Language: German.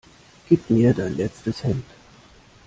Gib mir dein letztes Hemd!